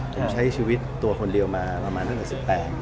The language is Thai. ผมใช้ชีวิตตัวคนเดียวมาประมาณตั้งแต่๑๘